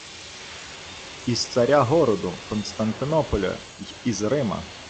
— Із царя-городу Константинополя й із Рима.